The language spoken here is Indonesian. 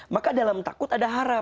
maka dalam takut ada haram